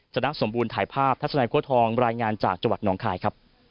ชนะสมบูรณถ่ายภาพทัศนัยโค้ทองรายงานจากจังหวัดหนองคายครับ